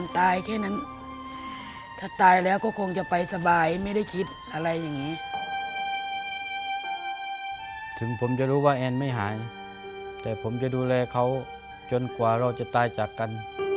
ถึงผมจะรู้ว่าแอนไม่หายแต่ผมจะดูแลเขาจนกว่าเราจะตายจากกัน